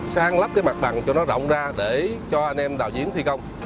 sang lắp cái mặt bằng cho nó rộng ra để cho anh em đào diễn thi công